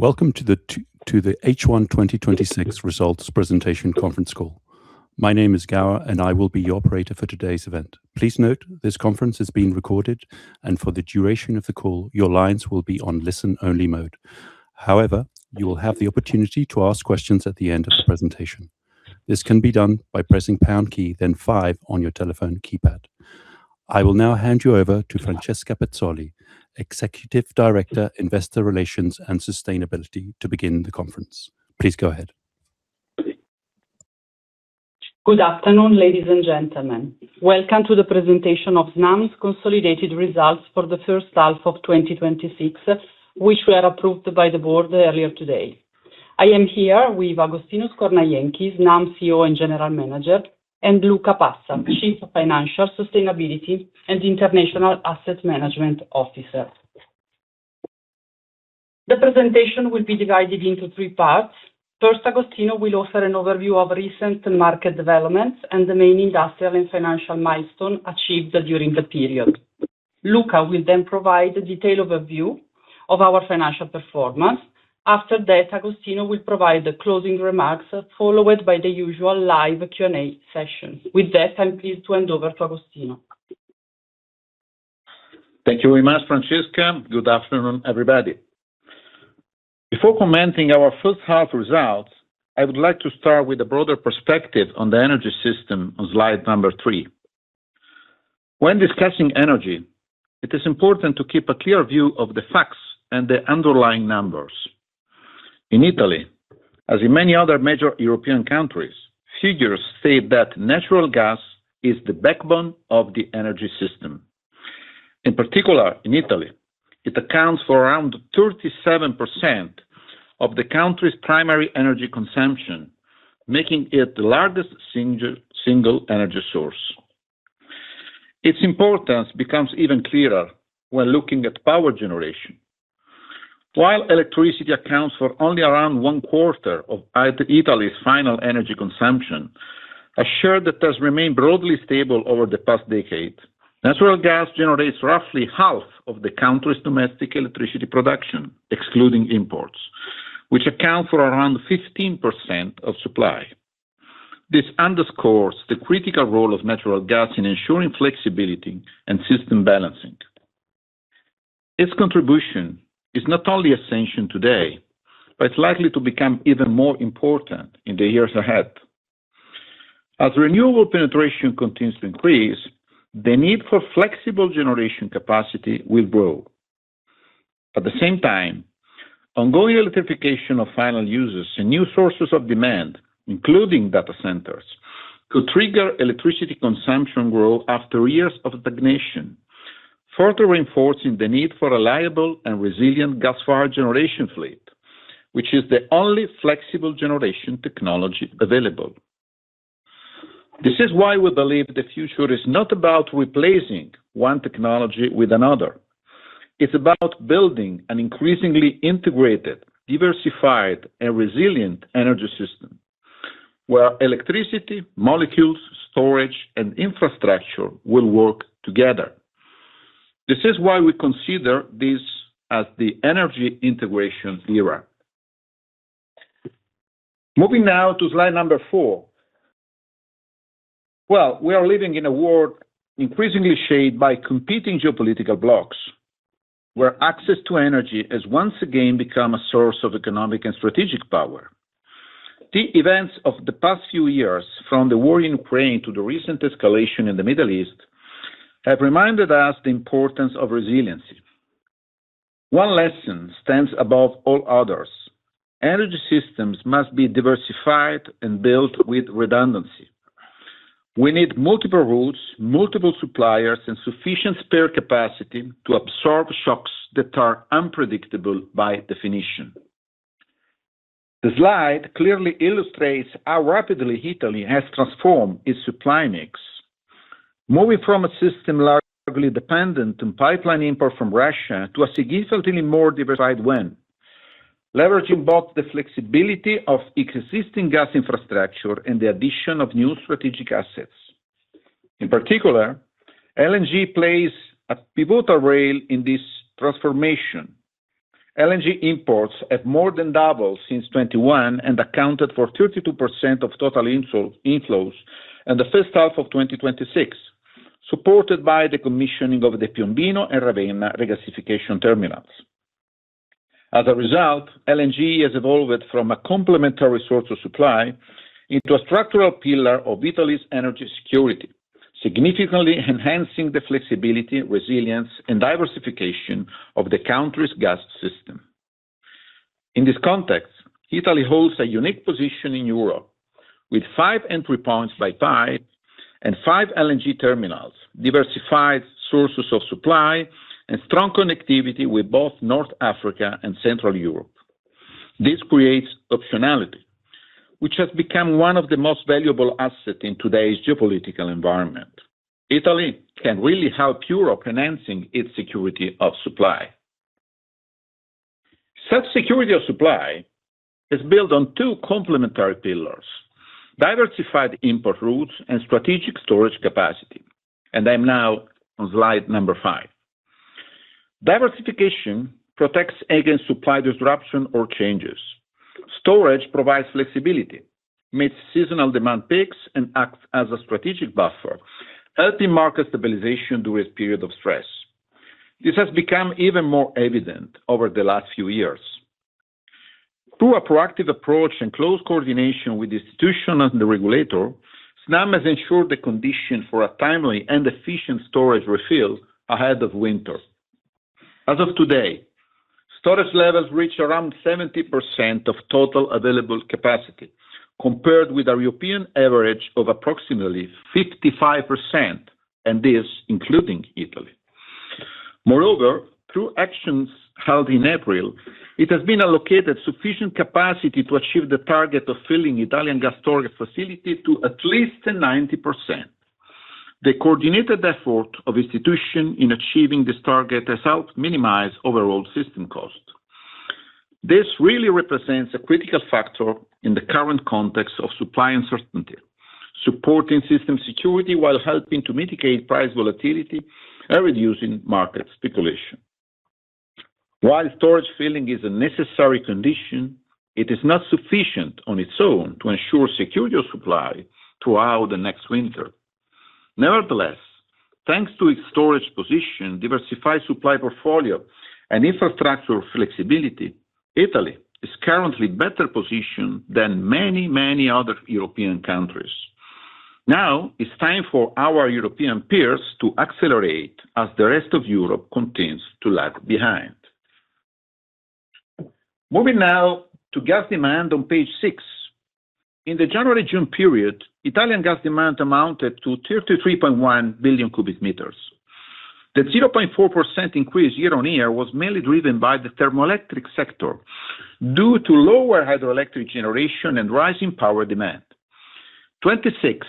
Welcome to the H1 2026 results presentation conference call. My name is Gower, and I will be your operator for today's event. Please note, this conference is being recorded, and for the duration of the call, your lines will be on listen-only mode. However, you will have the opportunity to ask questions at the end of the presentation. This can be done by pressing pound key, then five on your telephone keypad. I will now hand you over to Francesca Pezzoli, Executive Director, Investor Relations and Sustainability, to begin the conference. Please go ahead. Good afternoon, ladies and gentlemen. Welcome to the presentation of Snam's consolidated results for the first half of 2026, which were approved by the board earlier today. I am here with Agostino Scornajenchi, Snam CEO and General Manager, and Luca Passa, Chief Financial, Sustainability, and International Asset Management Officer. The presentation will be divided into three parts. First, Agostino will offer an overview of recent market developments and the main industrial and financial milestones achieved during the period. Luca will then provide a detailed overview of our financial performance. After that, Agostino will provide the closing remarks, followed by the usual live Q&A session. With that, I am pleased to hand over to Agostino. Thank you very much, Francesca. Good afternoon, everybody. Before commenting on our first half results, I would like to start with a broader perspective on the energy system on slide number three. When discussing energy, it is important to keep a clear view of the facts and the underlying numbers. In Italy, as in many other major European countries, figures state that natural gas is the backbone of the energy system. In particular, in Italy, it accounts for around 37% of the country's primary energy consumption, making it the largest single energy source. Its importance becomes even clearer when looking at power generation. While electricity accounts for only around one-quarter of Italy's final energy consumption, a share that has remained broadly stable over the past decade, natural gas generates roughly half of the country's domestic electricity production, excluding imports, which account for around 15% of supply. This underscores the critical role of natural gas in ensuring flexibility and system balancing. Its contribution is not only essential today, but it's likely to become even more important in the years ahead. As renewable penetration continues to increase, the need for flexible generation capacity will grow. At the same time, ongoing electrification of final users and new sources of demand, including data centers, could trigger electricity consumption growth after years of stagnation, further reinforcing the need for a reliable and resilient gas-fired generation fleet, which is the only flexible generation technology available. This is why we believe the future is not about replacing one technology with another. It's about building an increasingly integrated, diversified, and resilient energy system, where electricity, molecules, storage, and infrastructure will work together. This is why we consider this as the energy integration era. Moving now to slide number four. We are living in a world increasingly shaped by competing geopolitical blocs, where access to energy has once again become a source of economic and strategic power. The events of the past few years, from the war in Ukraine to the recent escalation in the Middle East, have reminded us the importance of resiliency. One lesson stands above all others. Energy systems must be diversified and built with redundancy. We need multiple routes, multiple suppliers, and sufficient spare capacity to absorb shocks that are unpredictable by definition. The slide clearly illustrates how rapidly Italy has transformed its supply mix. Moving from a system largely dependent on pipeline import from Russia to a significantly more diversified one, leveraging both the flexibility of existing gas infrastructure and the addition of new strategic assets. In particular, LNG plays a pivotal role in this transformation. LNG imports have more than doubled since 2021 and accounted for 32% of total inflows in the first half of 2026, supported by the commissioning of the Piombino and Ravenna regasification terminals. As a result, LNG has evolved from a complementary source of supply into a structural pillar of Italy's energy security, significantly enhancing the flexibility, resilience, and diversification of the country's gas system. In this context, Italy holds a unique position in Europe, with five entry points by pipe and five LNG terminals, diversified sources of supply, and strong connectivity with both North Africa and Central Europe. This creates optionality, which has become one of the most valuable assets in today's geopolitical environment. Italy can really help Europe enhancing its security of supply. Such security of supply is built on two complementary pillars: diversified import routes and strategic storage capacity. I'm now on slide number five. Diversification protects against supply disruption or changes. Storage provides flexibility, meets seasonal demand peaks, and acts as a strategic buffer, helping market stabilization during period of stress. This has become even more evident over the last few years. Through a proactive approach and close coordination with the institution and the regulator, Snam has ensured the condition for a timely and efficient storage refill ahead of winter. As of today, storage levels reach around 70% of total available capacity, compared with a European average of approximately 55%, and this including Italy. Moreover, through actions held in April, it has been allocated sufficient capacity to achieve the target of filling Italian gas storage facility to at least 90%. The coordinated effort of institution in achieving this target has helped minimize overall system cost. This really represents a critical factor in the current context of supply uncertainty, supporting system security while helping to mitigate price volatility and reducing market speculation. While storage filling is a necessary condition, it is not sufficient on its own to ensure security of supply throughout the next winter. Nevertheless, thanks to its storage position, diversified supply portfolio and infrastructure flexibility, Italy is currently better positioned than many, many other European countries. Now it's time for our European peers to accelerate as the rest of Europe continues to lag behind. Moving now to gas demand on page six. In the January-June period, Italian gas demand amounted to 33.1 billion cu m. The 0.4% increase year-over-year was mainly driven by the thermoelectric sector due to lower hydroelectric generation and rising power demand. 2026,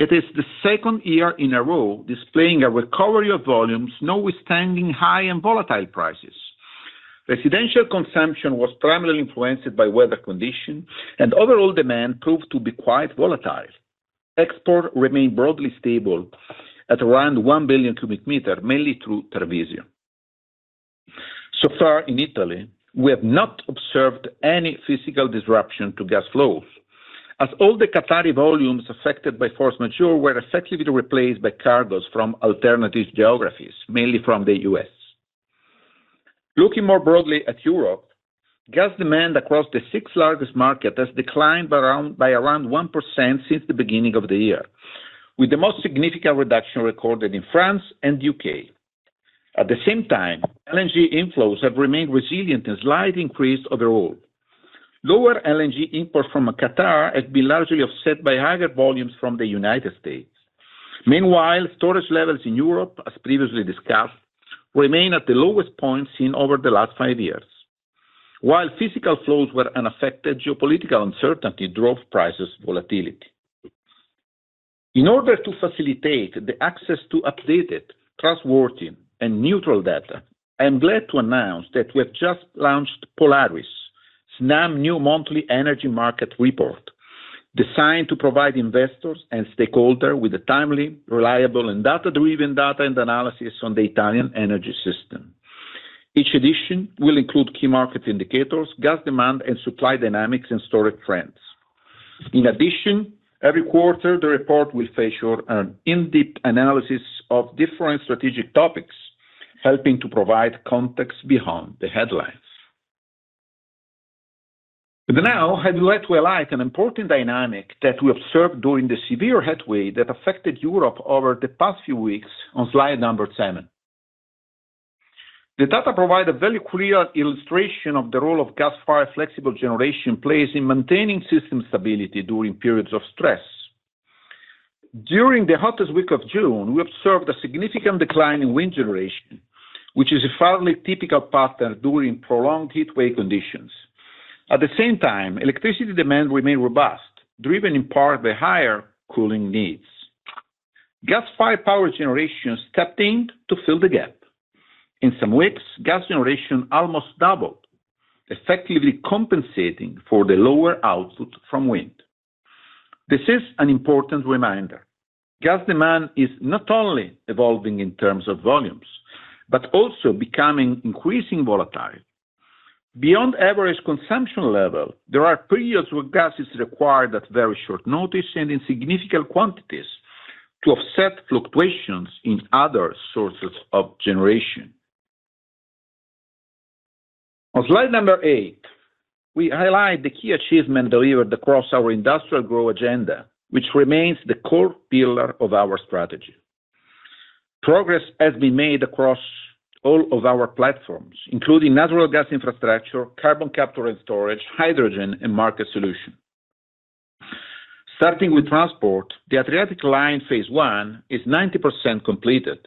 it is the second year in a row displaying a recovery of volumes, notwithstanding high and volatile prices. Residential consumption was primarily influenced by weather conditions, and overall demand proved to be quite volatile. Export remained broadly stable at around 1 billion cu m, mainly through Tarvisio. So far in Italy, we have not observed any physical disruption to gas flows, as all the Qatari volumes affected by force majeure were effectively replaced by cargos from alternative geographies, mainly from the U.S. Looking more broadly at Europe, gas demand across the six largest markets has declined by around 1% since the beginning of the year, with the most significant reduction recorded in France and the U.K. At the same time, LNG inflows have remained resilient and slight increase overall. Lower LNG import from Qatar has been largely offset by higher volumes from the United States. Meanwhile, storage levels in Europe, as previously discussed, remain at the lowest point seen over the last five years. While physical flows were unaffected, geopolitical uncertainty drove price volatility. In order to facilitate the access to updated, trustworthy and neutral data, I am glad to announce that we have just launched Polaris, Snam's new monthly energy market report designed to provide investors and stakeholders with a timely, reliable and data-driven analysis on the Italian energy system. Each edition will include key market indicators, gas demand and supply dynamics, and storage trends. In addition, every quarter, the report will feature an in-depth analysis of different strategic topics, helping to provide context behind the headlines. Now, I'd like to highlight an important dynamic that we observed during the severe heatwave that affected Europe over the past few weeks on slide number seven. The data provide a very clear illustration of the role of gas-fired flexible generation plays in maintaining system stability during periods of stress. During the hottest week of June, we observed a significant decline in wind generation, which is a fairly typical pattern during prolonged heatwave conditions. At the same time, electricity demand remained robust, driven in part by higher cooling needs. Gas-fired power generation stepped in to fill the gap. In some ways, gas generation almost doubled, effectively compensating for the lower output from wind. This is an important reminder. Gas demand is not only evolving in terms of volumes, but also becoming increasingly volatile. Beyond average consumption levels, there are periods where gas is required at very short notice and in significant quantities to offset fluctuations in other sources of generation. On slide number eight, we highlight the key achievement delivered across our industrial growth agenda, which remains the core pillar of our strategy. Progress has been made across all of our platforms, including natural gas infrastructure, carbon capture and storage, hydrogen and market solutions. Starting with transport, the Adriatic Line Phase 1 is 90% completed,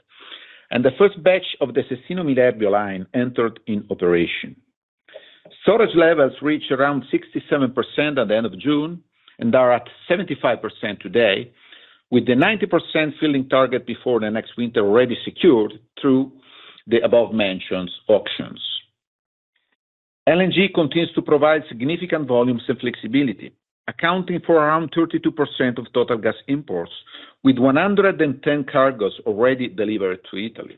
and the first batch of the Cecina-Minerbio line entered in operation. Storage levels reach around 67% at the end of June and are at 75% today, with the 90% filling target before the next winter already secured through the above mentioned auctions. LNG continues to provide significant volumes and flexibility, accounting for around 32% of total gas imports, with 110 cargoes already delivered to Italy.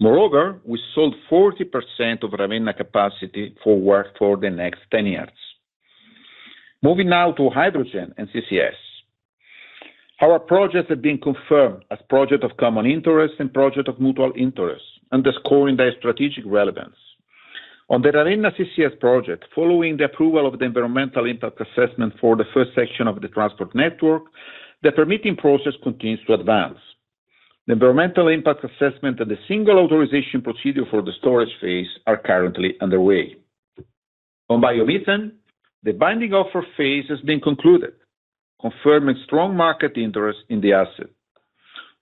Moreover, we sold 40% of Ravenna capacity forward for the next 10 years. Moving now to hydrogen and CCS. Our projects have been confirmed as projects of common interest and projects of mutual interest, underscoring their strategic relevance. On the Ravenna CCS project, following the approval of the environmental impact assessment for the first section of the transport network, the permitting process continues to advance. The environmental impact assessment and the single authorization procedure for the storage phase are currently underway. On biomethane, the binding offer phase has been concluded, confirming strong market interest in the asset.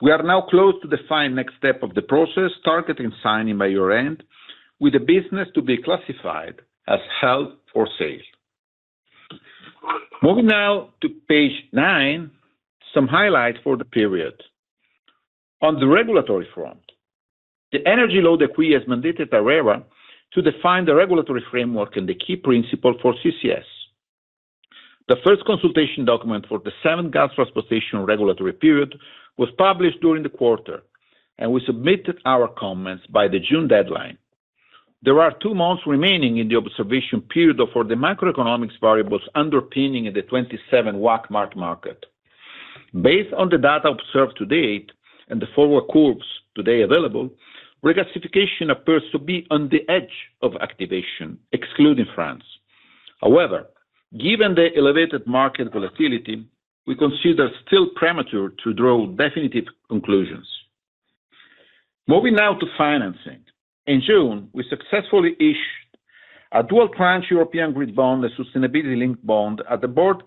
We are now close to define next step of the process, targeting signing by year-end, with the business to be classified as held for sale. Moving now to page nine, some highlights for the period. On the regulatory front, the energy law decree has mandated ARERA to define the regulatory framework and the key principle for CCS. The first consultation document for the seventh gas transportation regulatory period was published during the quarter. We submitted our comments by the June deadline. There are two months remaining in the observation period for the macroeconomics variables underpinning the 2027 WACC market. Based on the data observed to date and the forward curves today available, regasification appears to be on the edge of activation, excluding France. However, given the elevated market volatility, we consider still premature to draw definitive conclusions. Moving now to financing. In June, we successfully issued a dual tranche European green bond, a sustainability-linked bond. The board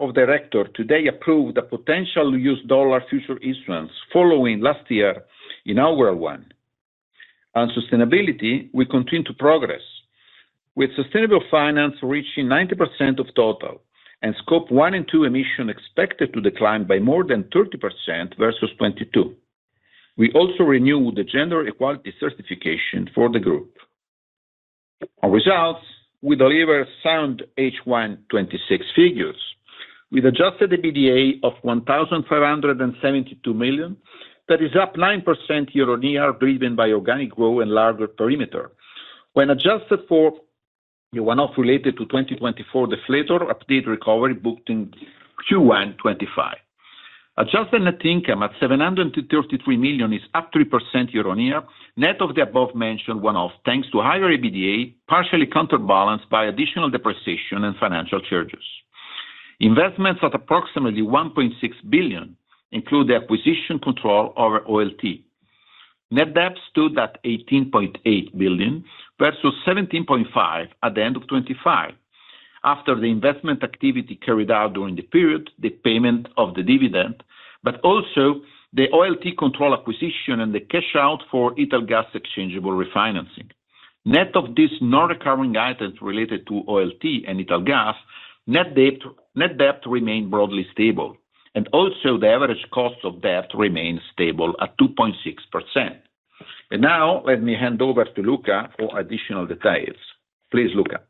of director today approved a potential U.S. dollar future issuance following last year in our one. On sustainability, we continue to progress, with sustainable finance reaching 90% of total and Scope 1 and 2 emission expected to decline by more than 30% versus 2022. We also renew the gender equality certification for the group. Our results will deliver sound H1 2026 figures, with adjusted EBITDA of 1,572 million. That is up 9% year-on-year, driven by organic growth and larger perimeter. When adjusted for the one-off related to 2024 deflator update recovery booked in Q1 2025. Adjusted net income at 733 million is up 3% year-on-year, net of the above-mentioned one-off, thanks to higher EBITDA, partially counterbalanced by additional depreciation and financial charges. Investments of approximately 1.6 billion include the acquisition control over OLT. Net debt stood at 18.8 billion, versus 17.5 billion at the end of 2025. After the investment activity carried out during the period, the payment of the dividend, but also the OLT control acquisition and the cash out for Italgas exchangeable refinancing. Net of this non-recurring items related to OLT and Italgas, net debt remained broadly stable, also the average cost of debt remains stable at 2.6%. Now let me hand over to Luca for additional details. Please, Luca.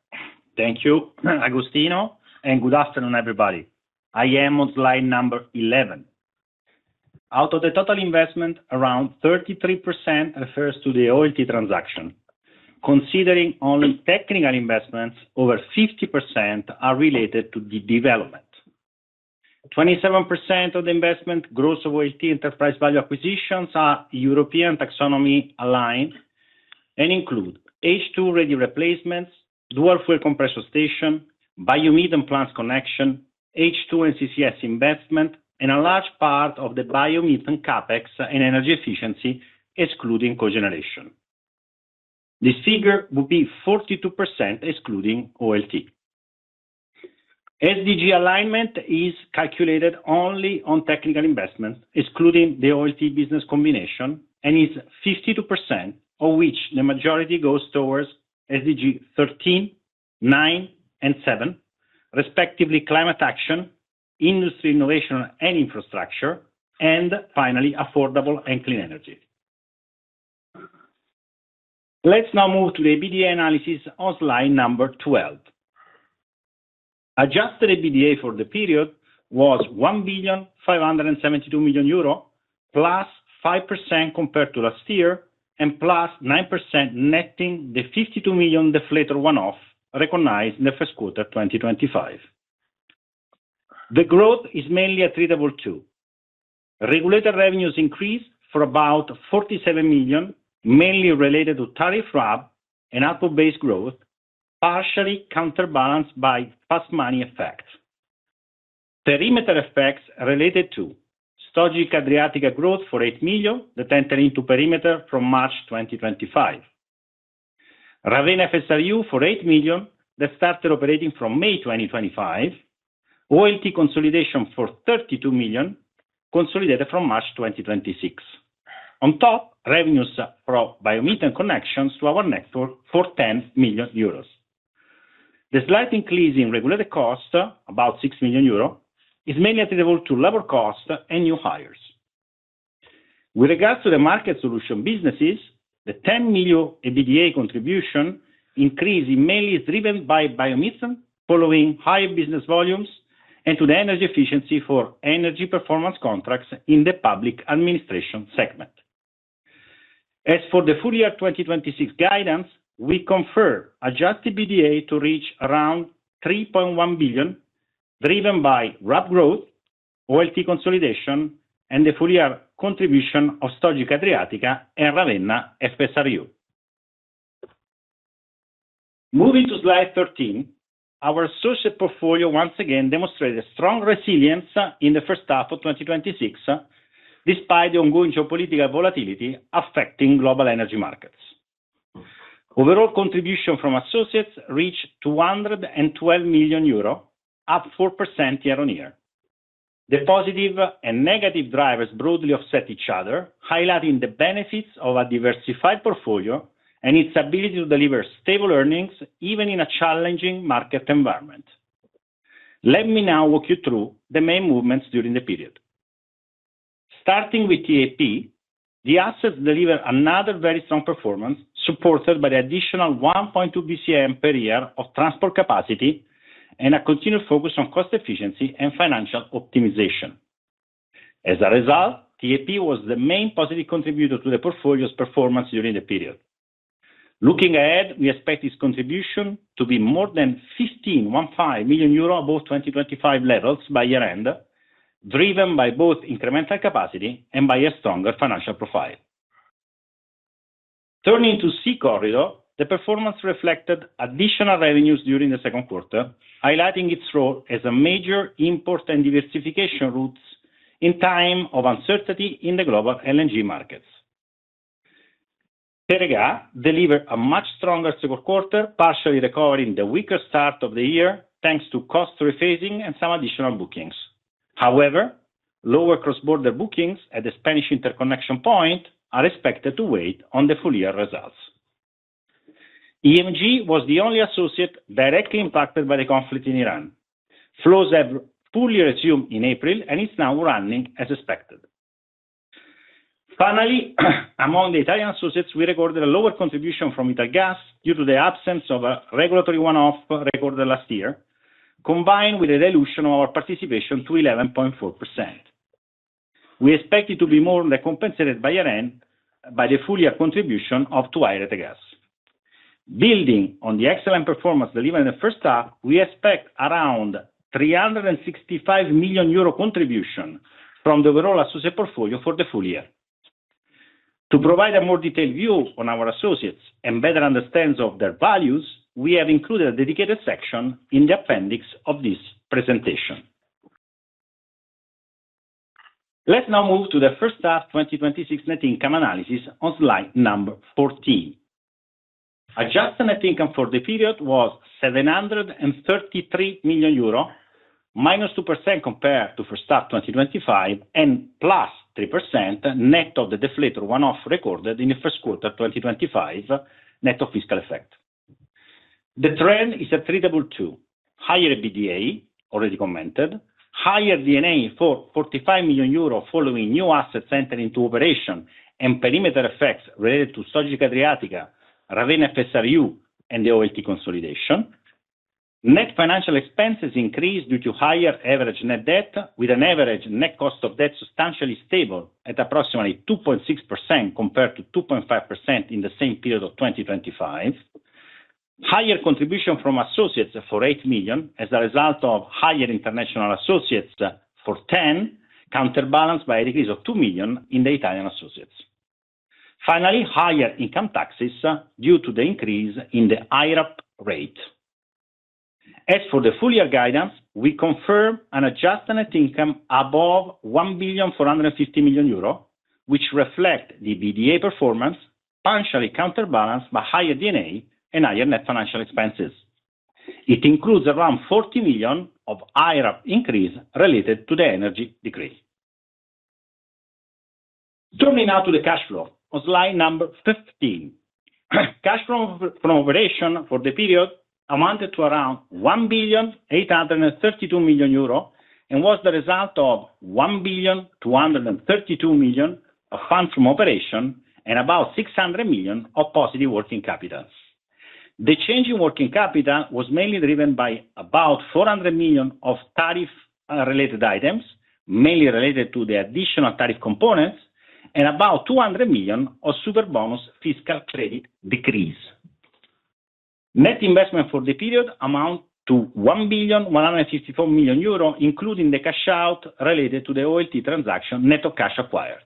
Thank you, Agostino, and good afternoon, everybody. I am on slide number 11. Out of the total investment, around 33% refers to the OLT transaction. Considering only technical investments, over 50% are related to the development. 27% of the investment gross OLT enterprise value acquisitions are EU Taxonomy-aligned and include H2-ready replacements, dual fuel compressor station, biomethane plants connection, H2 and CCS investment, and a large part of the biomethane CapEx and energy efficiency, excluding cogeneration. This figure would be 42% excluding OLT. SDG alignment is calculated only on technical investments, excluding the OLT business combination, and is 52%, of which the majority goes towards SDG 13, 9, and 7, respectively, climate action, industry innovation and infrastructure, and finally, affordable and clean energy. Let's now move to the EBITDA analysis on slide number 12. Adjusted EBITDA for the period was 1,572 million euro +5% compared to last year, and +9% netting the 52 million deflator one-off recognized in the first quarter 2025. The growth is mainly attributable to regulator revenues increase for about 47 million, mainly related to tariff RAB and output-based growth, partially counterbalanced by fast money effects. Perimeter effects related to Società Gasdotti Adriatica growth for 8 million that entered into perimeter from March 2025. Ravenna FSRU for 8 million that started operating from May 2025. OLT consolidation for 32 million consolidated from March 2026. On top, revenues from biomethane connections to our network for 10 million euros. The slight increase in regulated cost, about 6 million euros, is mainly attributable to labor cost and new hires. With regards to the Market Solution businesses, the 10 million EBITDA contribution increase is mainly driven by biomethane following high business volumes and to the energy efficiency for energy performance contracts in the public administration segment. As for the full year 2026 guidance, we confirm adjusted EBITDA to reach around 3.1 billion, driven by RAB growth, OLT consolidation, and the full year contribution of Società Gasdotti Adriatica and Ravenna FSRU. Moving to slide 13, our associate portfolio once again demonstrated strong resilience in the first half of 2026, despite the ongoing geopolitical volatility affecting global energy markets. Overall contribution from associates reached 212 million euro, up 4% year-on-year. The positive and negative drivers broadly offset each other, highlighting the benefits of a diversified portfolio and its ability to deliver stable earnings even in a challenging market environment. Let me now walk you through the main movements during the period. Starting with TAP, the assets deliver another very strong performance, supported by the additional 1.2 bcm per year of transport capacity and a continued focus on cost efficiency and financial optimization. As a result, TAP was the main positive contributor to the portfolio's performance during the period. Looking ahead, we expect its contribution to be more than 15.15 million euro above 2025 levels by year-end, driven by both incremental capacity and by a stronger financial profile. Turning to SeaCorridor, the performance reflected additional revenues during the second quarter, highlighting its role as a major import and diversification route in time of uncertainty in the global LNG markets. Teréga delivered a much stronger second quarter, partially recovering the weaker start of the year, thanks to cost rephasing and some additional bookings. However, lower cross-border bookings at the Spanish interconnection point are expected to wait on the full-year results. EMG was the only associate directly impacted by the conflict in Iran. Flows have fully resumed in April and is now running as expected. Finally, among the Italian associates, we recorded a lower contribution from Italgas due to the absence of a regulatory one-off recorded last year, combined with a dilution of our participation to 11.4%. We expect it to be more than compensated by year-end by the full-year contribution of 2i Rete Gas. Building on the excellent performance delivered in the first half, we expect around 365 million euro contribution from the overall associate portfolio for the full year. To provide a more detailed view on our associates and better understanding of their values, we have included a dedicated section in the appendix of this presentation. Let's now move to the first half 2026 net income analysis on slide number 14. Adjusted net income for the period was 733 million euro, -2% compared to first half 2025, and +3% net of the deflator one-off recorded in the first quarter 2025 net of fiscal effect. The trend is attributable to higher EBITDA, already commented, higher D&A for 45 million euro following new assets entering into operation and perimeter effects related to Società Gasdotti Adriatica, Ravenna FSRU, and the OLT consolidation. Net financial expenses increased due to higher average net debt, with an average net cost of debt substantially stable at approximately 2.6% compared to 2.5% in the same period of 2025. Higher contribution from associates for 8 million as a result of higher international associates for 10 million, counterbalanced by a decrease of 2 million in the Italian associates. Finally, higher income taxes due to the increase in the IRAP rate. As for the full-year guidance, we confirm an adjusted net income above 1,450 million euro, which reflect the EBITDA performance, partially counterbalanced by higher D&A and higher net financial expenses. It includes around 40 million of IRAP increase related to the energy decree. Turning now to the cash flow on slide number 15. Cash flow from operation for the period amounted to around 1,832 million euro and was the result of 1,232 million of funds from operation and about 600 million of positive working capital. The change in working capital was mainly driven by about 400 million of tariff-related items, mainly related to the additional tariff components, and about 200 million of Superbonus fiscal credit decrease. Net investment for the period amount to 1,154 million euro, including the cash out related to the OLT transaction net of cash acquired.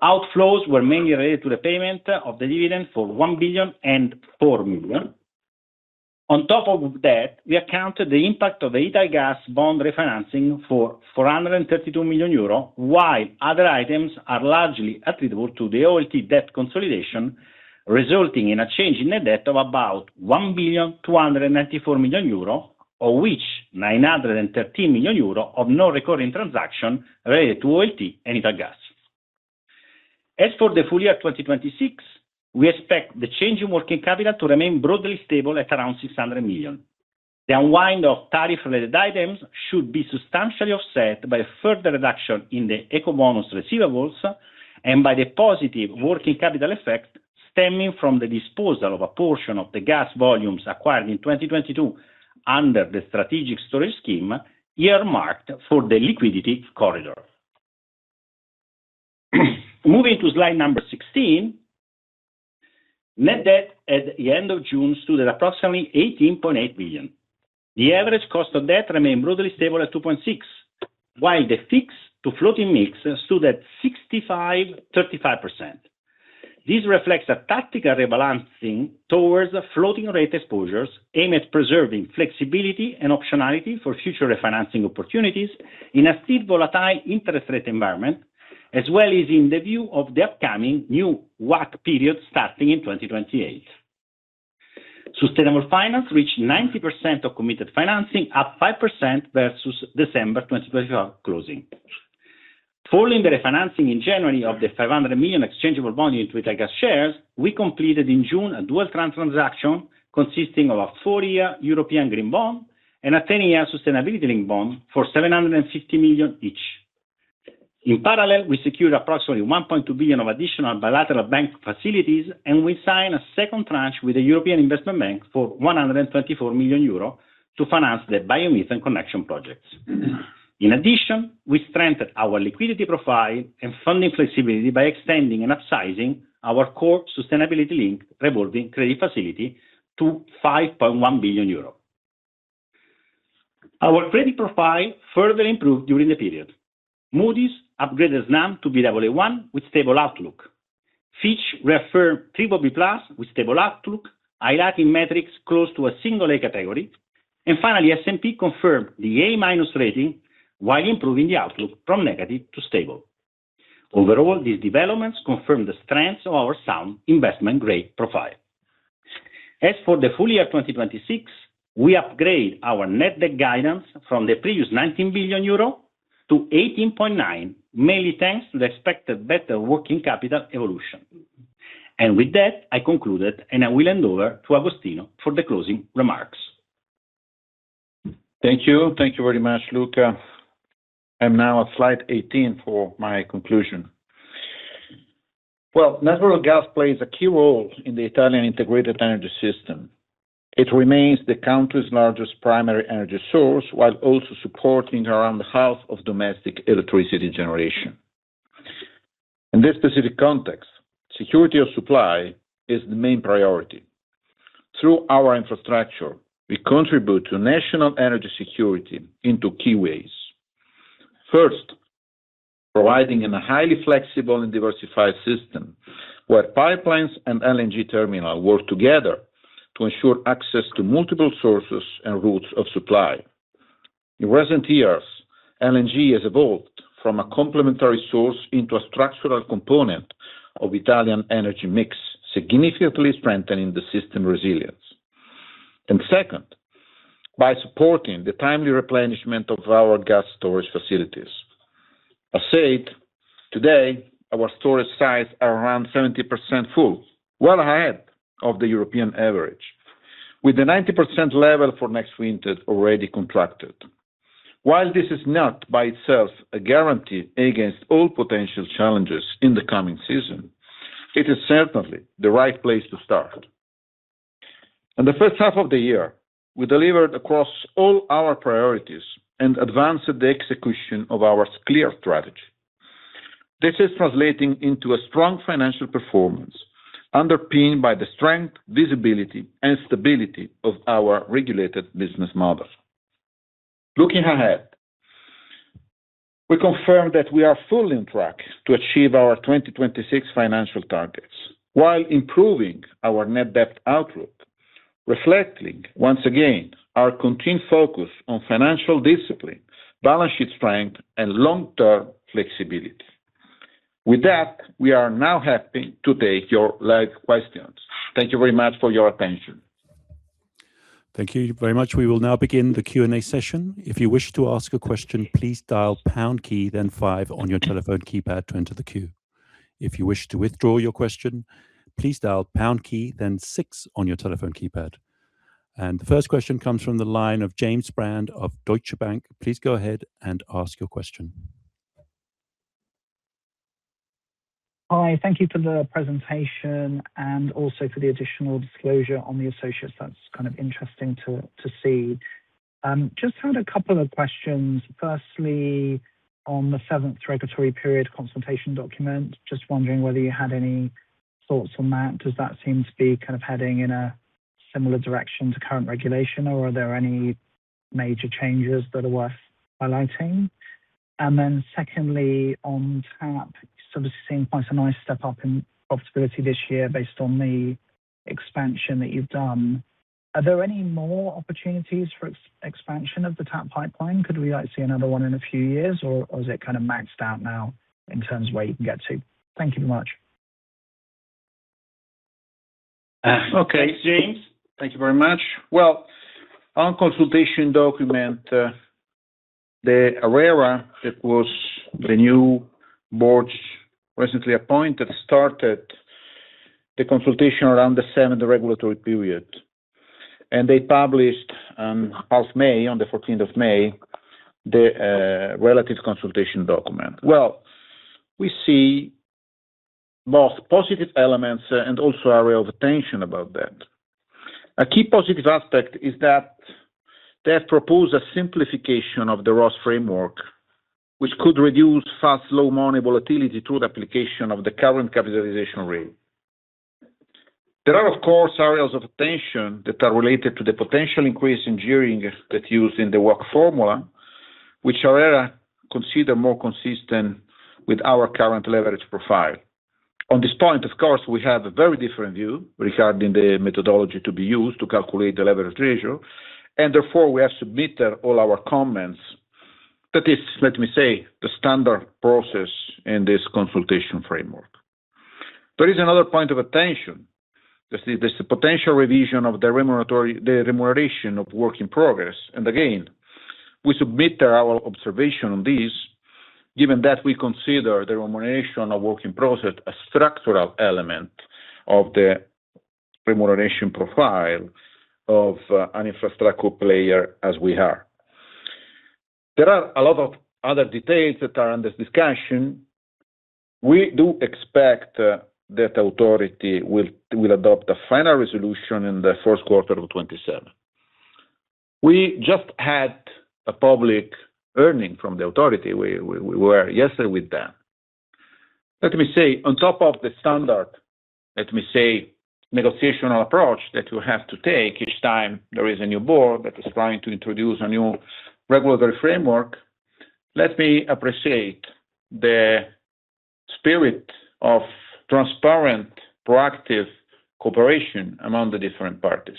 Outflows were mainly related to repayment of the dividend for 1,004 million. On top of that, we accounted the impact of the Italgas bond refinancing for 432 million euro, while other items are largely attributable to the OLT debt consolidation, resulting in a change in net debt of about 1,294 million euro, of which 913 million euro of non-recurring transaction related to OLT and Italgas. As for the full year 2026, we expect the change in working capital to remain broadly stable at around 600 million. The unwind of tariff-related items should be substantially offset by a further reduction in the ecobonus receivables, and by the positive working capital effect stemming from the disposal of a portion of the gas volumes acquired in 2022 under the strategic storage scheme, earmarked for the liquidity corridor. Moving to slide number 16. Net debt at the end of June stood at approximately 18.8 billion. The average cost of debt remained broadly stable at 2.6%, while the fixed-to-floating mix stood at 65%/35%. This reflects a tactical rebalancing towards floating rate exposures aimed at preserving flexibility and optionality for future refinancing opportunities in a still volatile interest rate environment, as well as in the view of the upcoming new WACC period starting in 2028. Sustainable finance reached 90% of committed financing, up 5% versus December 2025 closing. Following the refinancing in January of the 500 million exchangeable bond into Italgas shares, we completed in June a dual transaction consisting of a four-year European Green Bond and a 10-year sustainability-linked bond for 750 million each. In parallel, we secured approximately 1.2 billion of additional bilateral bank facilities, we signed a second tranche with the European Investment Bank for 124 million euro to finance the biomethane connection projects. In addition, we strengthened our liquidity profile and funding flexibility by extending and upsizing our core sustainability-linked revolving credit facility to [5.1 billion euros]. Our credit profile further improved during the period. Moody's upgraded Snam to Baa1, with stable outlook. Fitch reaffirmed BBB+, with stable outlook, highlighting metrics close to a single-A category. Finally, S&P confirmed the A- rating while improving the outlook from negative to stable. Overall, these developments confirm the strength of our sound investment grade profile. As for the full year 2026, we upgrade our net debt guidance from the previous 19 billion euro to 18.9 billion, mainly thanks to the expected better working capital evolution. With that, I conclude it, I will hand over to Agostino for the closing remarks. Thank you. Thank you very much, Luca. I'm now at slide 18 for my conclusion. Natural gas plays a key role in the Italian integrated energy system. It remains the country's largest primary energy source, while also supporting around half of domestic electricity generation. In this specific context, security of supply is the main priority. Through our infrastructure, we contribute to national energy security in two key ways. First, providing a highly flexible and diversified system, where pipelines and LNG terminal work together to ensure access to multiple sources and routes of supply. In recent years, LNG has evolved from a complementary source into a structural component of Italian energy mix, significantly strengthening the system resilience. Second, by supporting the timely replenishment of our gas storage facilities. As said, today, our storage sites are around 70% full, well ahead of the European average, with the 90% level for next winter already contracted. While this is not by itself a guarantee against all potential challenges in the coming season, it is certainly the right place to start. In the first half of the year, we delivered across all our priorities and advanced the execution of our clear strategy. This is translating into a strong financial performance, underpinned by the strength, visibility, and stability of our regulated business model. Looking ahead, we confirm that we are fully on track to achieve our 2026 financial targets while improving our net debt outlook, reflecting, once again, our continued focus on financial discipline, balance sheet strength, and long-term flexibility. With that, we are now happy to take your live questions. Thank you very much for your attention. Thank you very much. We will now begin the Q&A session. If you wish to ask a question, please dial pound key, then five on your telephone keypad to enter the queue. If you wish to withdraw your question, please dial pound key, then six on your telephone keypad. The first question comes from the line of James Brand of Deutsche Bank. Please go ahead and ask your question. Hi. Thank you for the presentation, and also for the additional disclosure on the associates. That's kind of interesting to see. Just had a couple of questions. Firstly, on the seventh regulatory period consultation document, just wondering whether you had any thoughts on that. Does that seem to be heading in a similar direction to current regulation, or are there any major changes that are worth highlighting? Then secondly, on TAP, this is seeing quite a nice step up in profitability this year based on the expansion that you've done. Are there any more opportunities for expansion of the TAP pipeline? Could we see another one in a few years, or is it maxed out now in terms of where you can get to? Thank you very much. Okay. Thanks, James. Thank you very much. On consultation document, the ARERA that was the new boards recently appointed, started the consultation around the seventh regulatory period, and they published last May, on the 14th of May, the relative consultation document. We see both positive elements and also area of attention about that. A key positive aspect is that they have proposed a simplification of the ROSS framework, which could reduce fast money, slow money volatility through the application of the current capitalization rate. There are, of course, areas of attention that are related to the potential increase in gearing that used in the WACC formula, which ARERA consider more consistent with our current leverage profile. On this point, of course, we have a very different view regarding the methodology to be used to calculate the leverage ratio, therefore, we have submitted all our comments. That is, let me say, the standard process in this consultation framework. There is another point of attention. There's the potential revision of the remuneration of work in progress, again, we submitted our observation on this, given that we consider the remuneration of work in process a structural element of the remuneration profile of an infrastructure player as we are. There are a lot of other details that are under discussion. We do expect that authority will adopt a final resolution in the first quarter of 2027. We just had a public hearing from the authority. We were yesterday with them. Let me say, on top of the standard, let me say, negotiation approach that you have to take each time there is a new board that is trying to introduce a new regulatory framework, let me appreciate the spirit of transparent, proactive cooperation among the different parties.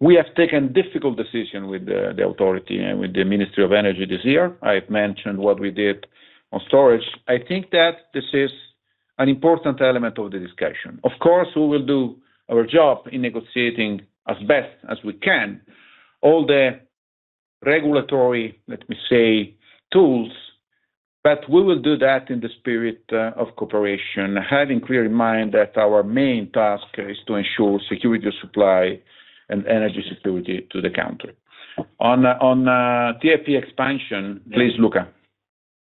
We have taken difficult decision with the authority and with the Ministry of Energy this year. I have mentioned what we did on storage. I think that this is an important element of the discussion. Of course, we will do our job in negotiating as best as we can all the regulatory, let me say, tools, we will do that in the spirit of cooperation, having clear in mind that our main task is to ensure security of supply and energy security to the country. On TAP expansion, please, Luca.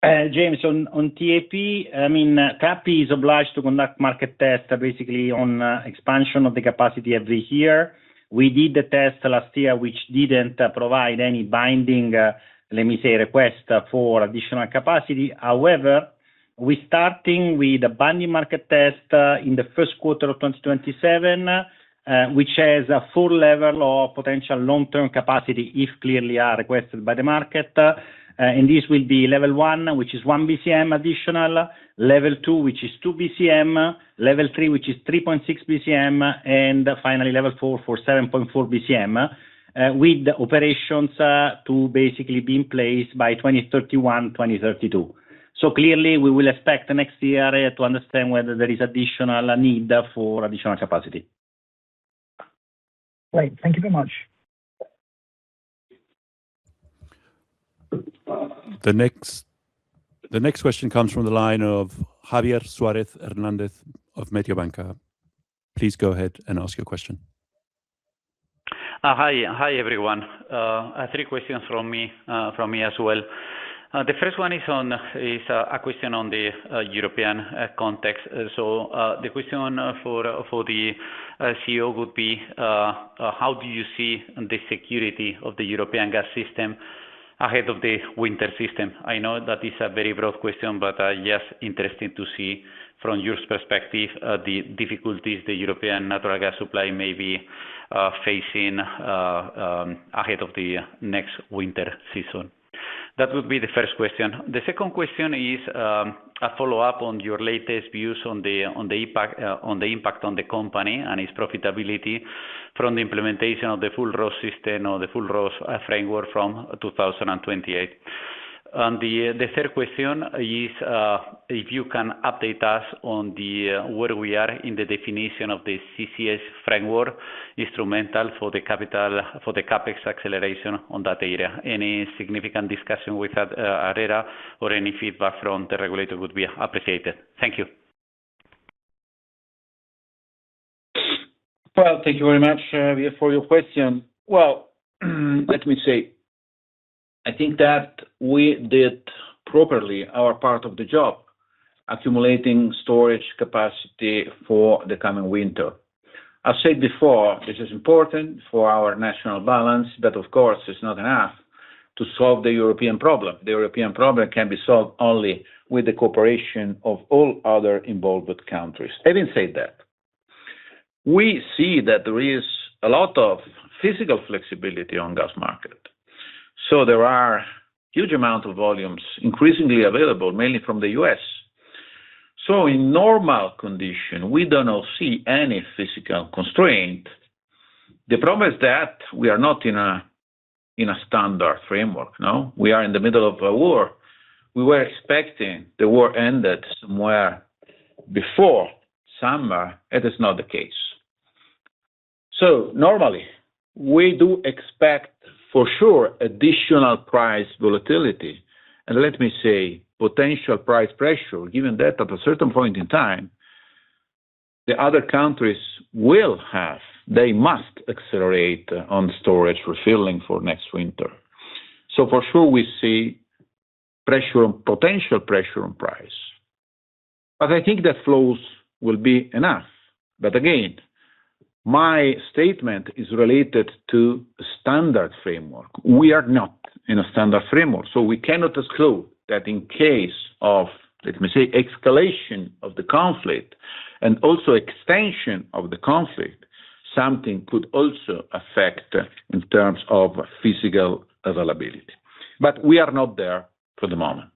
James, on TAP is obliged to conduct market test, basically on expansion of the capacity every year. We did the test last year, which didn't provide any binding, let me say, request for additional capacity. We starting with a binding market test in the first quarter of 2027, which has a full level of potential long-term capacity, if clearly are requested by the market. This will be Level 1, which is 1 bcm additional, Level 2, which is 2 bcm, Level 3, which is 3.6 bcm, finally, Level 4 for 7.4 bcm, with operations to basically be in place by 2031-2032. Clearly, we will expect next year to understand whether there is additional need for additional capacity. Great. Thank you very much. The next question comes from the line of Javier Suarez Hernandez of Mediobanca. Please go ahead and ask your question. Hi, everyone. Three questions from me as well. The first one is a question on the European context. The question for the CEO would be, how do you see the security of the European gas system ahead of the winter system? I know that it's a very broad question, but just interesting to see from your perspective, the difficulties the European natural gas supply may be facing ahead of the next winter season. That would be the first question. The second question is a follow-up on your latest views on the impact on the company and its profitability from the implementation of the full ROSS system or the full ROSS framework from 2028. The third question is, if you can update us on where we are in the definition of the CCS framework instrumental for the CapEx acceleration on that area. Any significant discussion with ARERA or any feedback from the regulator would be appreciated. Thank you. Well, thank you very much, Javier, for your question. Well, let me say, I think that we did properly our part of the job, accumulating storage capacity for the coming winter. I said before, this is important for our national balance, but of course, it's not enough to solve the European problem. The European problem can be solved only with the cooperation of all other involved countries. Having said that, we see that there is a lot of physical flexibility on gas market. There are huge amount of volumes increasingly available, mainly from the U.S. In normal condition, we do not see any physical constraint. The problem is that we are not in a standard framework. No? We are in the middle of a war. We were expecting the war ended somewhere before summer. It is not the case. Normally, we do expect, for sure, additional price volatility, and let me say potential price pressure, given that at a certain point in time, the other countries will have, they must accelerate on storage refilling for next winter. For sure, we see potential pressure on price. I think that flows will be enough. Again, my statement is related to standard framework. We are not in a standard framework, we cannot exclude that in case of, let me say, escalation of the conflict and also extension of the conflict, something could also affect in terms of physical availability. We are not there for the moment.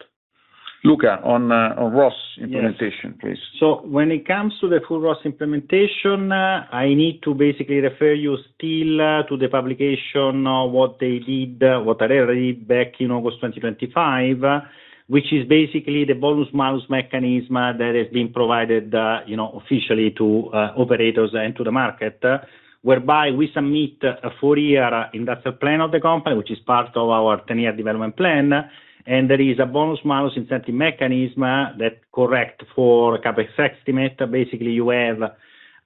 Luca, on ROSS implementation, please. When it comes to the full ROSS implementation, I need to basically refer you still to the publication of what they did, what ARERA did back in August 2025, which is basically the bonus/malus mechanism that has been provided officially to operators and to the market, whereby we submit a four-year industrial plan of the company, which is part of our 10-year development plan. There is a bonus/malus incentive mechanism that correct for CapEx estimate. Basically, you have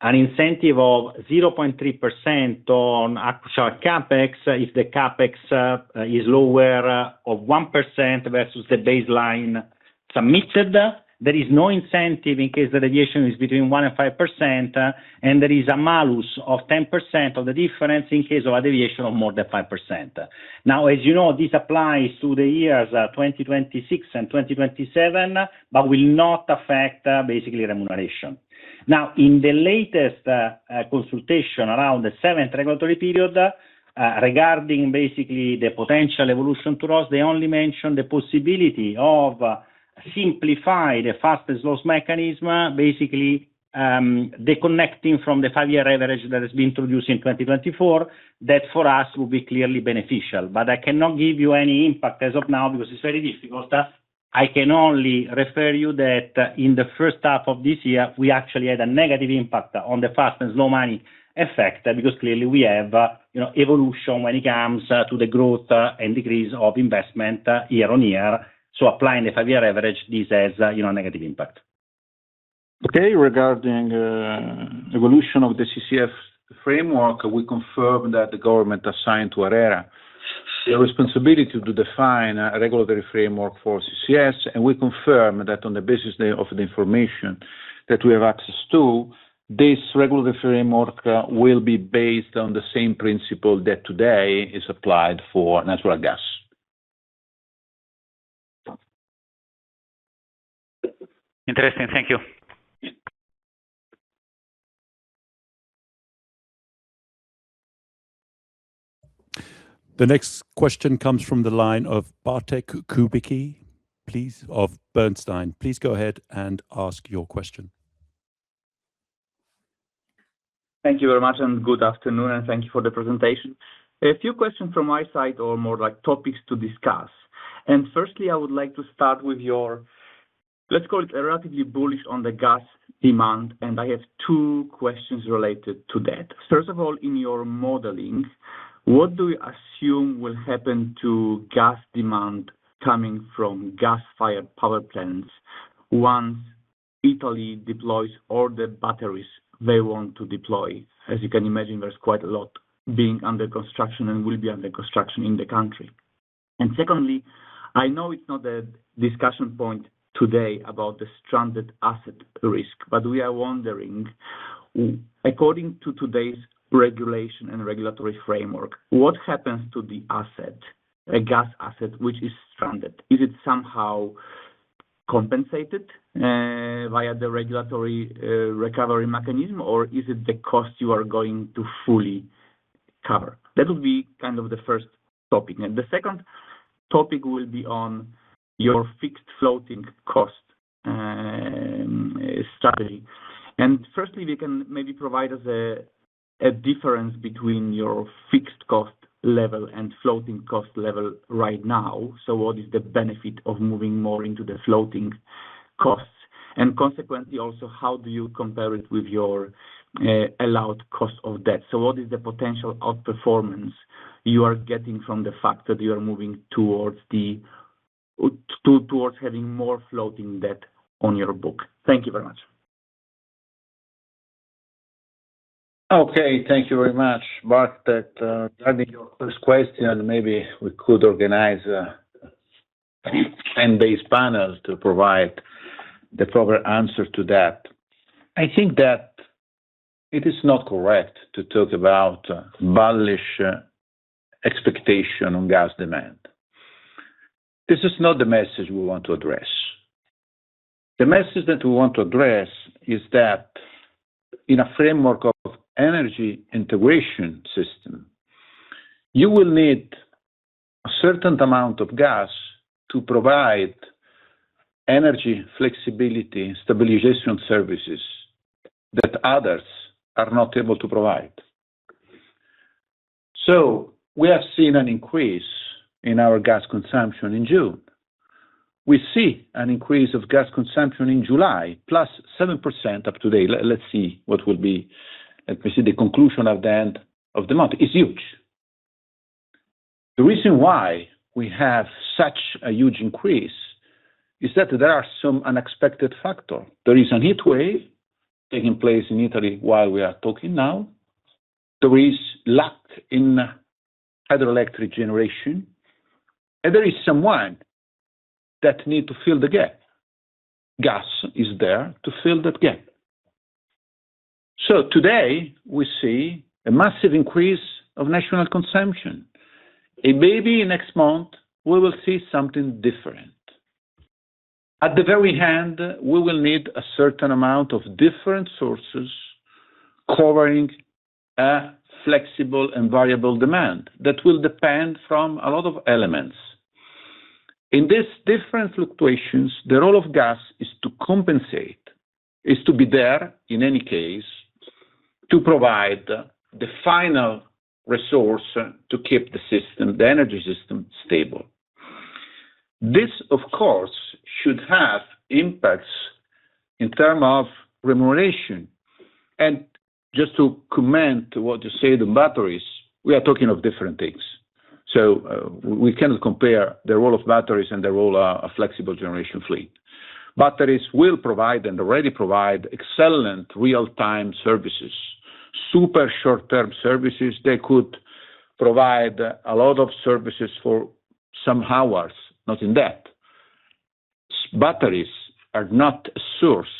an incentive of 0.3% on actual CapEx if the CapEx is lower of 1% versus the baseline submitted. There is no incentive in case the deviation is between 1% and 5%, and there is a malus of 10% of the difference in case of a deviation of more than 5%. As you know, this applies to the years 2026 and 2027, will not affect basically remuneration. In the latest consultation around the seventh regulatory period, regarding basically the potential evolution to ROSS, they only mentioned the possibility of simplify the fast and slow mechanism. Basically, the connecting from the five-year average that has been introduced in 2024, that for us will be clearly beneficial. I cannot give you any impact as of now because it's very difficult. I can only refer you that in the first half of this year, we actually had a negative impact on the fast and slow money effect because clearly we have evolution when it comes to the growth and degrees of investment year-on-year. Applying the five-year average, this has a negative impact. Regarding evolution of the CCS framework, we confirm that the government assigned to ARERA the responsibility to define a regulatory framework for CCS, we confirm that on the basis of the information that we have access to, this regulatory framework will be based on the same principle that today is applied for natural gas. Interesting. Thank you. The next question comes from the line of Bartek Kubicki, please, of Bernstein. Please go ahead and ask your question. Thank you very much, good afternoon, and thank you for the presentation. A few questions from my side or more like topics to discuss. Firstly, I would like to start with your, let's call it relatively bullish on the gas demand, and I have two questions related to that. First of all, in your modeling, what do you assume will happen to gas demand coming from gas-fired power plants once Italy deploys all the batteries they want to deploy? As you can imagine, there's quite a lot being under construction and will be under construction in the country. Secondly, I know it's not a discussion point today about the stranded asset risk, but we are wondering, according to today's regulation and regulatory framework, what happens to the asset, a gas asset, which is stranded? Is it somehow compensated via the regulatory recovery mechanism, or is it the cost you are going to fully cover? That would be the first topic. The second topic will be on your fixed floating cost strategy. Firstly, if you can maybe provide us a difference between your fixed cost level and floating cost level right now. What is the benefit of moving more into the floating costs? Consequently, also, how do you compare it with your allowed cost of debt? What is the potential outperformance you are getting from the fact that you are moving towards having more floating debt on your book? Thank you very much. Okay. Thank you very much, Bartek. Regarding your first question, maybe we could organize a panel to provide the proper answer to that. I think that it is not correct to talk about bullish expectation on gas demand. This is not the message we want to address. The message that we want to address is that in a framework of energy integration system, you will need a certain amount of gas to provide energy flexibility, stabilization services that others are not able to provide. We have seen an increase in our gas consumption in June. We see an increase of gas consumption in July, +7% up today. Let me see the conclusion of the end of the month. It's huge. The reason why we have such a huge increase is that there are some unexpected factors. There is a heat wave taking place in Italy while we are talking now. There is lack in hydroelectric generation. There is someone that needs to fill the gap. Gas is there to fill that gap. Today, we see a massive increase of national consumption. Maybe next month, we will see something different. At the very end, we will need a certain amount of different sources covering a flexible and variable demand that will depend from a lot of elements. In these different fluctuations, the role of gas is to compensate, is to be there in any case, to provide the final resource to keep the energy system stable. This, of course, should have impacts in terms of remuneration. Just to comment what you say, the batteries, we are talking of different things. We cannot compare the role of batteries and the role of flexible generation fleet. Batteries will provide and already provide excellent real-time services, super short-term services. They could provide a lot of services for some hours. Nothing that. Batteries are not a source.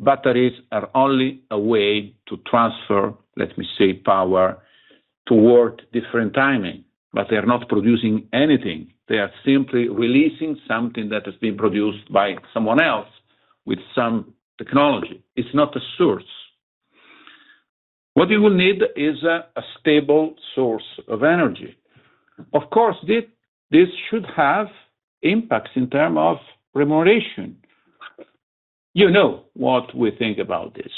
Batteries are only a way to transfer, let me say, power toward different timing, but they are not producing anything. They are simply releasing something that has been produced by someone else with some technology. It's not a source. What you will need is a stable source of energy. Of course, this should have impacts in terms of remuneration. You know what we think about this.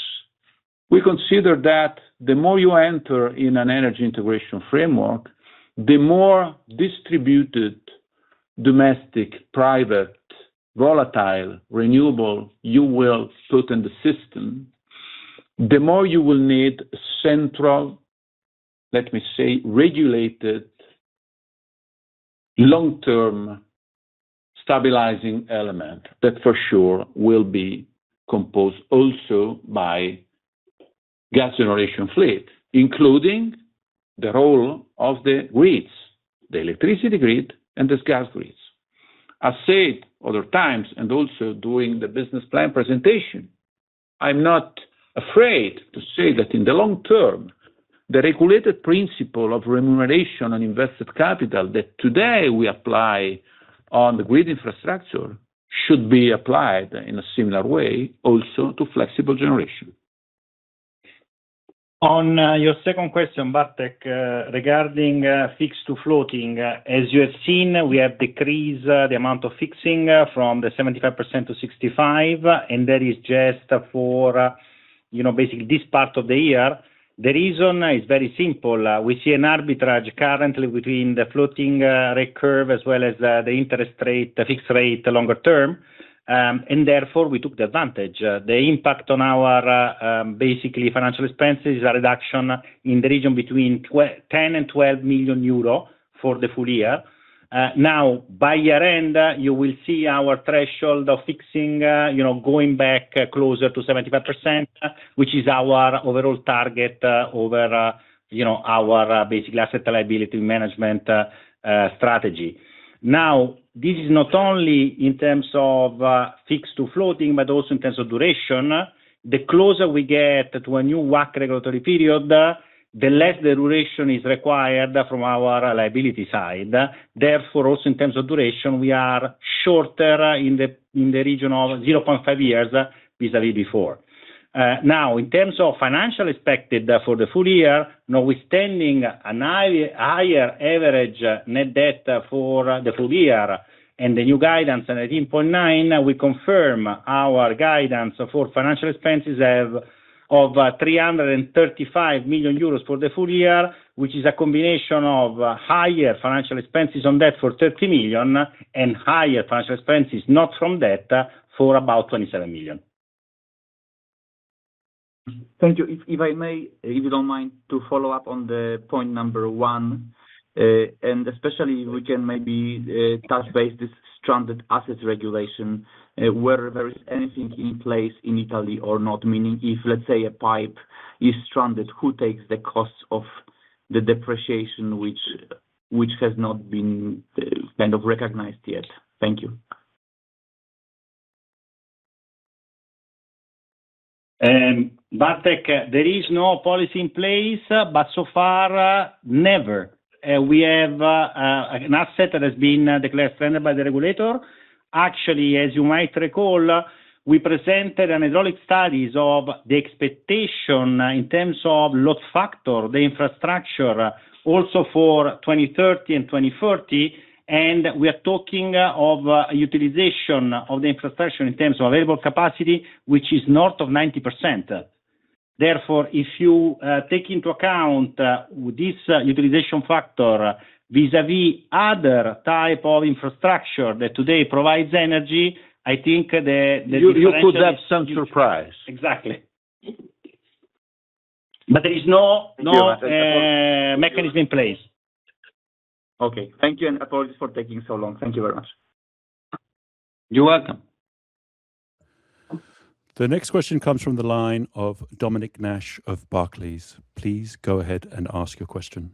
We consider that the more you enter in an energy integration framework, the more distributed, domestic, private, volatile, renewable you will put in the system, the more you will need central, let me say, regulated, long-term stabilizing element that for sure will be composed also by gas generation fleet, including the role of the grids, the electricity grid and these gas grids. I said other times, and also during the business plan presentation, I'm not afraid to say that in the long term, the regulated principle of remuneration on invested capital that today we apply on the grid infrastructure should be applied in a similar way also to flexible generation. On your second question, Bartek, regarding fixed-to-floating, as you have seen, we have decreased the amount of fixing from the 75% to 65%, and that is just for this part of the year. The reason is very simple. We see an arbitrage currently between the floating rate curve as well as the interest rate, the fixed rate longer term, therefore, we took the advantage. The impact on our financial expenses is a reduction in the region between 10 million and 12 million euro for the full year. By year-end, you will see our threshold of fixing going back closer to 75%, which is our overall target over our asset liability management strategy. This is not only in terms of fixed-to-floating, but also in terms of duration. The closer we get to a new WACC regulatory period, the less the duration is required from our liability side. Therefore, also in terms of duration, we are shorter in the region of 0.5 years vis-à-vis before. In terms of financial expected for the full year, notwithstanding an higher average net debt for the full year and the new guidance on 18.9 billion, we confirm our guidance for financial expenses of 335 million euros for the full year, which is a combination of higher financial expenses on debt for 30 million and higher financial expenses not from debt for about 27 million. Thank you. If I may, if you don't mind to follow up on the point number one, and especially we can maybe touch base this stranded assets regulation, whether there is anything in place in Italy or not, meaning if, let's say a pipe is stranded, who takes the cost of the depreciation, which has not been recognized yet? Thank you. Bartek, there is no policy in place, but so far never. We have an asset that has been declared stranded by the regulator. Actually, as you might recall, we presented hydraulic studies of the expectation in terms of load factor, the infrastructure also for 2030 and 2040, and we are talking of utilization of the infrastructure in terms of available capacity, which is north of 90%. Therefore, if you take into account this utilization factor vis-à-vis other type of infrastructure that today provides energy, I think the differential. You could have some surprise. Exactly. There is no mechanism in place. Okay. Thank you, apologies for taking so long. Thank you very much. You're welcome. The next question comes from the line of Dominic Nash of Barclays. Please go ahead and ask your question.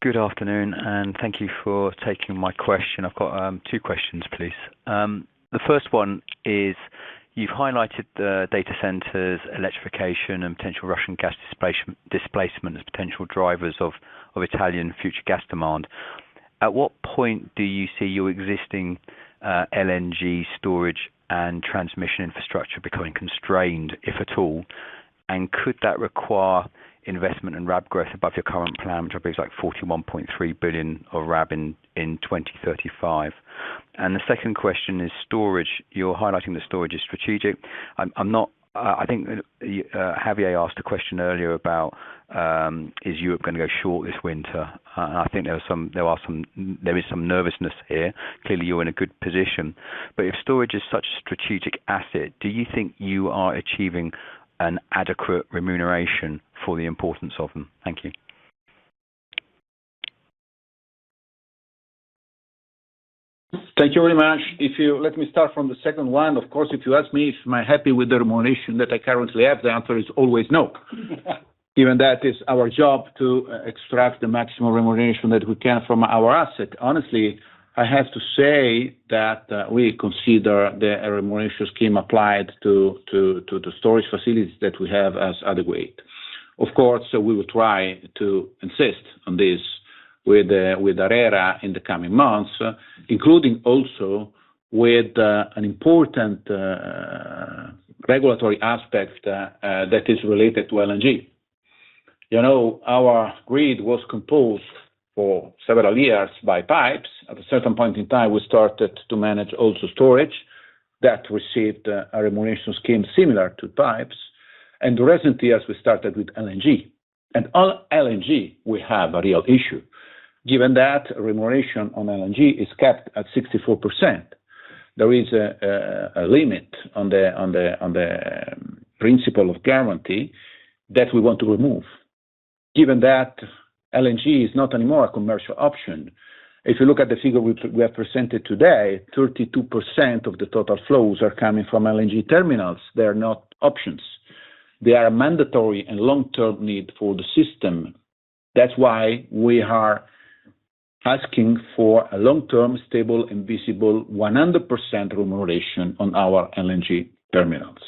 Good afternoon. Thank you for taking my question. I've got two questions, please. The first one is, you've highlighted the data centers, electrification, and potential Russian gas displacement as potential drivers of Italian future gas demand. At what point do you see your existing LNG storage and transmission infrastructure becoming constrained, if at all? Could that require investment and RAB growth above your current plan, which I believe is like 41.3 billion of RAB in 2035? The second question is storage. You're highlighting that storage is strategic. I think Javier asked a question earlier about, is Europe going to go short this winter? I think there is some nervousness here. Clearly, you're in a good position. If storage is such a strategic asset, do you think you are achieving an adequate remuneration for the importance of them? Thank you. Thank you very much. If you let me start from the second one, of course, if you ask me if I am happy with the remuneration that I currently have, the answer is always no. Given that is our job to extract the maximum remuneration that we can from our asset, honestly, I have to say that we consider the remuneration scheme applied to the storage facilities that we have as adequate. Of course, we will try to insist on this with ARERA in the coming months, including also with an important regulatory aspect that is related to LNG. Our grid was composed for several years by pipes. At a certain point in time, we started to manage also storage that received a remuneration scheme similar to pipes. The recent years, we started with LNG. LNG, we have a real issue. Given that remuneration on LNG is capped at 64%, there is a limit on the principle of guarantee that we want to remove, given that LNG is not anymore a commercial option. If you look at the figure we have presented today, 32% of the total flows are coming from LNG terminals. They are not options. They are a mandatory and long-term need for the system. That's why we are asking for a long-term, stable, and visible 100% remuneration on our LNG terminals.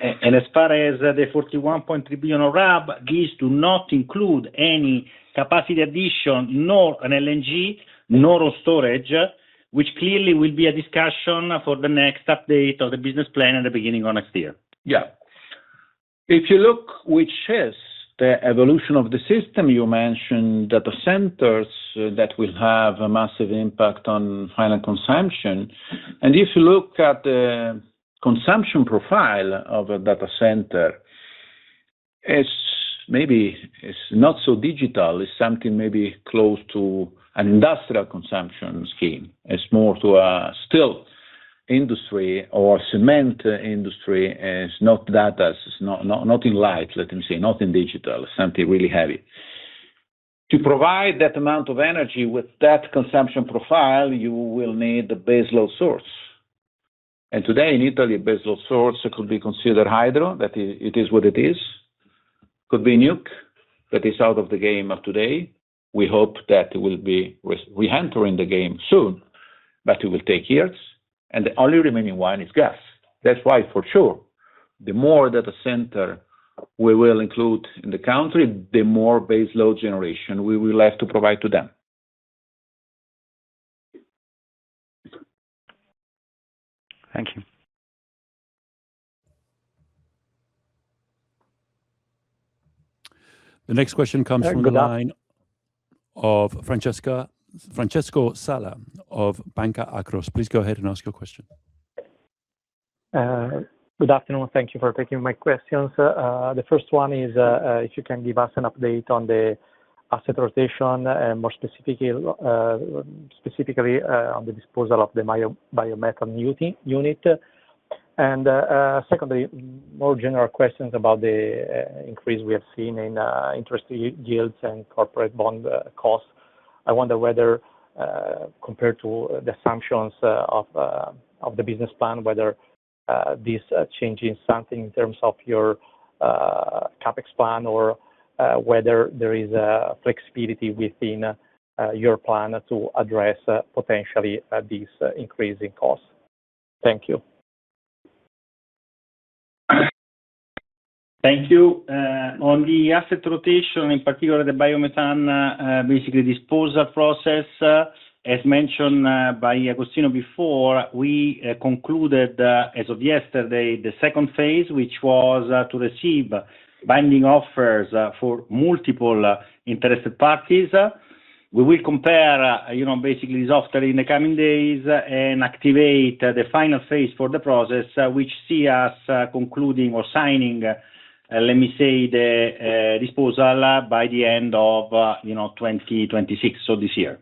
As far as the 41.3 billion of RAB, this do not include any capacity addition, nor on LNG, nor on storage, which clearly will be a discussion for the next update of the business plan at the beginning of next year. If you look, which is the evolution of the system, you mentioned data centers that will have a massive impact on final consumption. If you look at the consumption profile of a data center, it's maybe not so digital. It's something maybe close to an industrial consumption scheme. It's more to a steel industry or cement industry. It's not data. It's nothing light, let me say, nothing digital, something really heavy. To provide that amount of energy with that consumption profile, you will need a base load source. Today in Italy, a base load source could be considered hydro. That it is what it is. Could be nuke, but it's out of the game of today. We hope that it will be re-entering the game soon, but it will take years. The only remaining one is gas. That's why for sure, the more data center we will include in the country, the more base load generation we will have to provide to them. Thank you. The next question comes from the line- Good after- of Francesco Sala of Banca Akros. Please go ahead and ask your question. Good afternoon. Thank you for taking my questions. The first one is, if you can give us an update on the asset rotation, more specifically on the disposal of the biomethane unit. Secondly, more general questions about the increase we have seen in interest yields and corporate bond costs. I wonder whether, compared to the assumptions of the business plan, whether this changing something in terms of your CapEx plan or whether there is a flexibility within your plan to address potentially these increasing costs. Thank you. Thank you. On the asset rotation, in particular, the biomethane, basically disposal process, as mentioned by Agostino before, we concluded as of yesterday, the second phase, which was to receive binding offers for multiple interested parties. We will compare basically this offer in the coming days and activate the final phase for the process, which see us concluding or signing, let me say, the disposal by the end of 2026, so this year.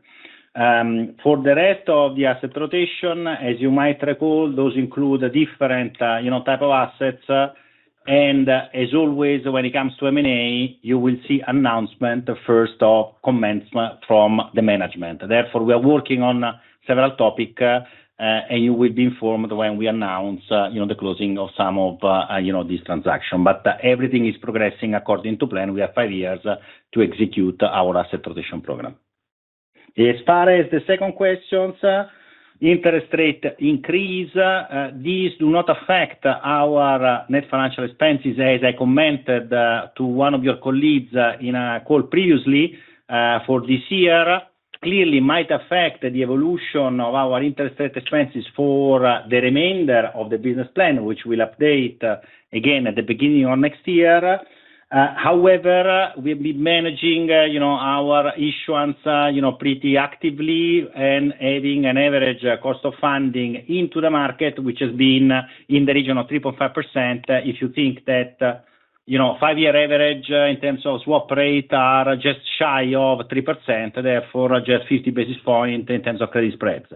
For the rest of the asset rotation, as you might recall, those include different type of assets. As always, when it comes to M&A, you will see announcement first of commencement from the management. We are working on several topic, and you will be informed when we announce the closing of some of this transaction. Everything is progressing according to plan. We have five years to execute our asset rotation program. As far as the second question, interest rate increase, these do not affect our net financial expenses, as I commented to one of your colleagues in a call previously, for this year. Clearly might affect the evolution of our interest rate expenses for the remainder of the business plan, which we'll update again at the beginning of next year. However, we've been managing our issuance pretty actively and having an average cost of funding into the market, which has been in the region of 3.5%. If you think that five-year average in terms of swap rate are just shy of 3%, therefore just 50 basis points in terms of credit spreads.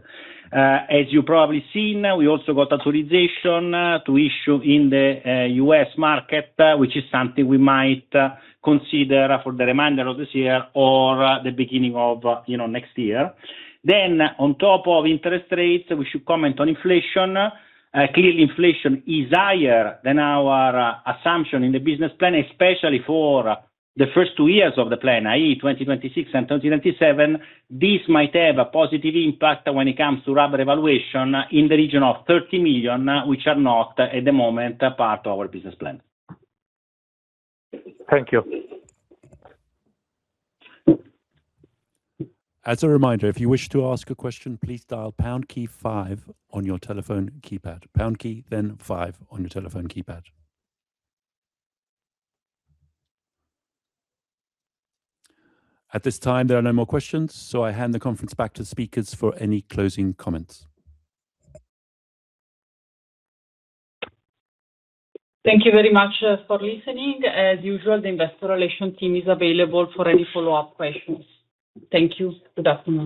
As you probably seen, we also got authorization to issue in the U.S. market, which is something we might consider for the remainder of this year or the beginning of next year. On top of interest rates, we should comment on inflation. Clearly, inflation is higher than our assumption in the business plan, especially for the first two years of the plan, i.e., 2026 and 2027. This might have a positive impact when it comes to RAB revaluation in the region of 30 million, which are not, at the moment, part of our business plan. Thank you. As a reminder, if you wish to ask a question, please dial pound key five on your telephone keypad. Pound key, then five on your telephone keypad. At this time, there are no more questions, so I hand the conference back to the speakers for any closing comments. Thank you very much for listening. As usual, the investor relations team is available for any follow-up questions. Thank you. Good afternoon.